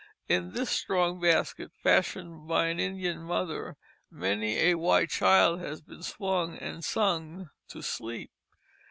In this strong basket, fashioned by an Indian mother, many a white child has been swung and sung to sleep.